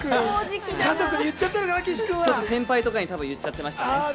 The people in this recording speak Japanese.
多分、先輩とかに言っちゃってましたね。